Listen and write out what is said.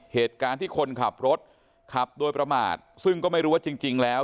เหตุการณ์ที่คนขับรถขับโดยประมาทซึ่งก็ไม่รู้ว่าจริงแล้ว